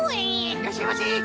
いらっしゃいませ。